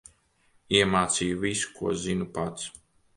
Iemācīju visu, ko zinu pats.